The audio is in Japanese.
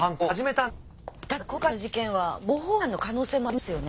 ただ今回の事件は模倣犯の可能性もありますよね。